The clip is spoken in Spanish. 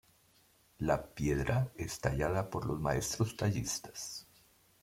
La piedra es tallada por los maestros tallistas.